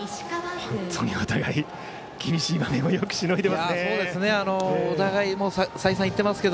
本当にお互い厳しい場面をよくしのいでいますね。